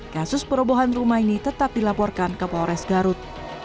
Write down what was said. kasus perobohan rumah ini tetap dilaporkan ke polres garut